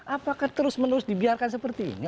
apakah terus menerus dibiarkan seperti ini